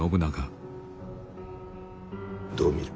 どう見る。